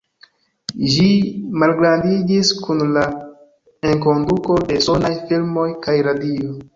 Ĝi malgrandiĝis kun la enkonduko de sonaj filmoj kaj radio.